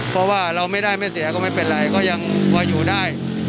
เพราะว่าเราไม่ได้ไม่เสียก็ไม่เป็นไรก็ยังพออยู่ได้